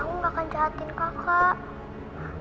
aku nggak akan jahatin kakak